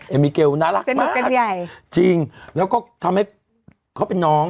ไปมิเกลน่ารักมากเรามิเกลก็ได้จริงแล้วก็ทำให้เขาเป็นน้อง